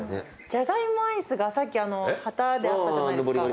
じゃがいもアイスがさっき旗であったじゃないですか。